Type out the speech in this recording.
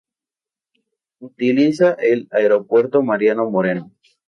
Utiliza el Aeropuerto Mariano Moreno.